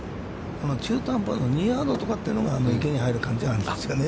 この中途半端の２ヤードとかというのがあの池に入る可能性があるんですよね。